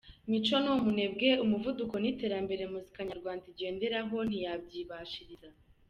Mico ni umunebwe, umuvuduko n’iterambere muzika nyarwanda igenderaho ntiyabyibashiriza.